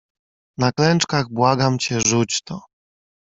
"Na klęczkach błagam cię, rzuć to!"